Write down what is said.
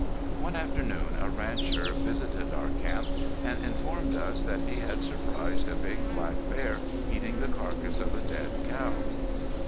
One afternoon a rancher visited our camp and informed us that he had surprised a big black bear eating the carcass of a dead cow.